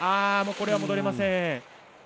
これは戻れません。